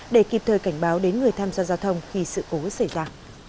để kịp thời cảnh báo đến người tham gia giao thông khi sự cố xảy ra